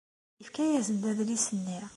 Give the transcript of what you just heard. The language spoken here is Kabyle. Yefka-asen-d adlis-nni.